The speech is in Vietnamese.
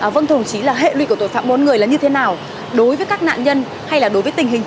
vâng thưa đồng chí là hệ lụy của tội phạm mua bán người là như thế nào đối với các nạn nhân hay là đối với tình hình